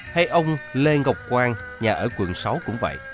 hay ông lê ngọc quang nhà ở quận sáu cũng vậy